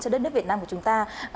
cho đất nước việt nam của chúng ta